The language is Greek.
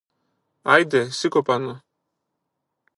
Άιντε, σήκω πάνω!